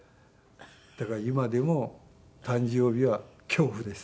だから今でも誕生日は恐怖です。